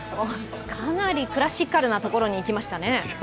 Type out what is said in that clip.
かなりクラシカルなところにいきましたね。